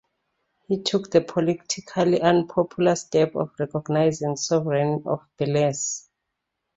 He took the politically unpopular step of recognizing the sovereignty of Belize.